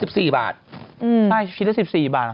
ใช่ชิ้นทั้ง๑๔บาทนะคะ